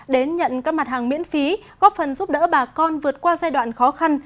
đến nhận các mặt hàng miễn phí góp phần giúp đỡ bà con vượt qua giai đoạn khó khăn